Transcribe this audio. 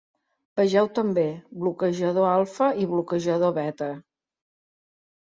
"Vegeu també: bloquejador alfa i bloquejador beta".